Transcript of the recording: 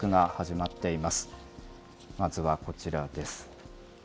まずはこちらです。